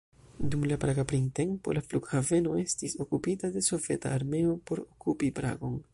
Dum la Praga printempo, la flughaveno estis okupita de Soveta armeo por okupi Pragon.